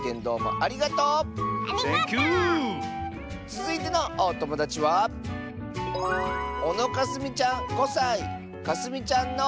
つづいてのおともだちはかすみちゃんの。